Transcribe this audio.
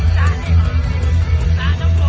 มันเป็นเมื่อไหร่แล้ว